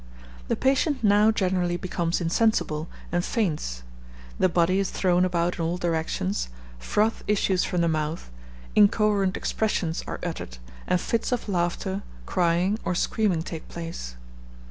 The patient now generally becomes insensible, and faints; the body is thrown about in all directions, froth issues from the mouth, incoherent expressions are uttered, and fits of laughter, crying, or screaming, take place.